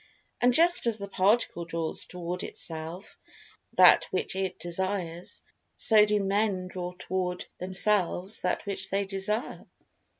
And just as the Particle draws toward itself that which it Desires, so do Men draw toward themselves that which they Desire.